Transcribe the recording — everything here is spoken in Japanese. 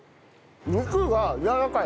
肉がやわらかい。